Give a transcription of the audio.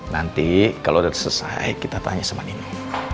nanti kalau udah selesai kita tanya sama nino